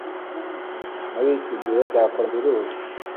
Muri iki gihe cya Coronavirus